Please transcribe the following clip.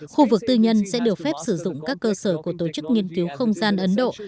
khu vực tư nhân sẽ được phép sử dụng các cơ sở của tổ chức nghiên cứu không gian ấn độ